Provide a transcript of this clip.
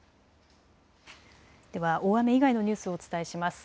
では、大雨以外のニュースをお伝えします。